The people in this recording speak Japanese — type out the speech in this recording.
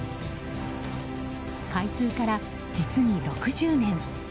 開通から実に６０年。